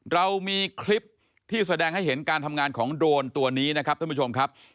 เรามีคลิปที่แสดงให้เห็นการทำงานของโดรนตัวนี้นะครับท่านผู้ชมครับ